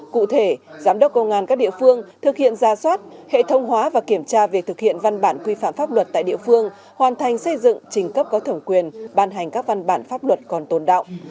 cụ thể giám đốc công an các địa phương thực hiện ra soát hệ thông hóa và kiểm tra việc thực hiện văn bản quy phạm pháp luật tại địa phương hoàn thành xây dựng trình cấp có thẩm quyền ban hành các văn bản pháp luật còn tồn đạo